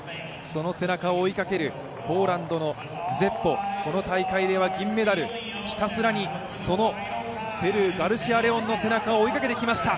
その背中を追いかけるポーランドのズジェブウォ、この大会では銀メダル、ひたすらにそのペルーガルシア・レオンの背中を追いかけてきました。